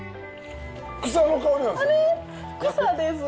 草の香りなんですよ。